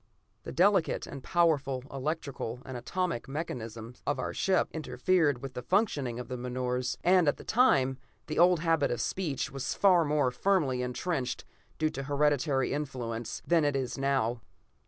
The delicate and powerful electrical and atomic mechanism of our ship interfered with the functioning of the menores, and at that time the old habit of speech was far more firmly entrenched, due to hereditary influence, than it is now.